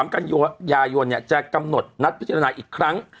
กันยายนจะกำหนดนัดพิจารณาอีกครั้ง